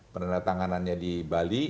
peneratanganannya di bali